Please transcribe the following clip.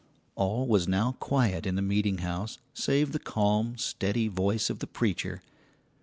All was now quiet in the meeting house save the calm, steady voice of the preacher.